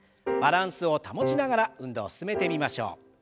バランスを保ちながら運動を進めてみましょう。